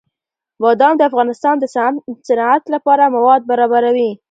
بادام د افغانستان د صنعت لپاره مواد برابروي.